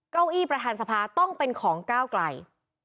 เก้าอี้ประธานสภาต้องเป็นของก้าวไกล